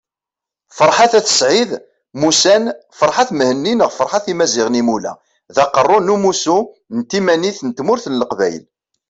Ferḥat At Said mmusan Ferhat Mehenni neɣ Ferhat Imazighen Imula, d Aqerru n Umussu n Timanit n Tmurt n Leqbayel